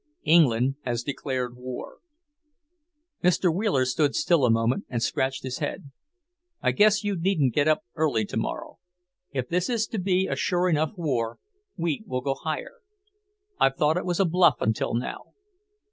"England has declared war." Mr. Wheeler stood still a moment and scratched his head. "I guess you needn't get up early tomorrow. If this is to be a sure enough war, wheat will go higher. I've thought it was a bluff until now.